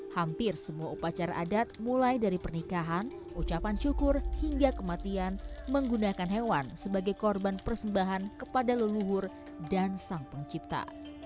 hampir semua upacara adat mulai dari pernikahan ucapan syukur hingga kematian menggunakan hewan sebagai korban persembahan kepada leluhur dan sang pencipta